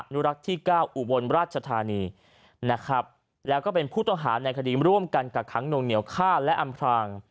นุรักษ์ที่เก้าอุบลราชธานีนะครับแล้วก็เป็นผู้ต้องหาในคดีร่วมกันกักขังหนวงเหนียวฆ่าและอำพราง